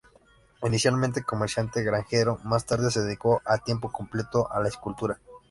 Inicialmente, comerciante granjero, más tarde se dedicó a tiempo completo a la escultura.